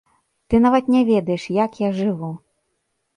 Ты нават не ведаеш, як я жыву!